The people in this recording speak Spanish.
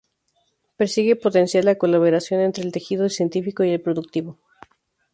Persigue potenciar la colaboración entre el tejido científico y el productivo.